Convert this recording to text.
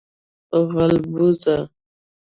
🐜 غلبوزه